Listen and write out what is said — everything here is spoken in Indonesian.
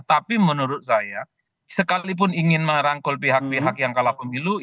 tapi menurut saya sekalipun ingin merangkul pihak pihak yang kalah pemilu